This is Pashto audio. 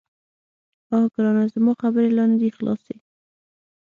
_اه ګرانه، زما خبرې لا نه دې خلاصي.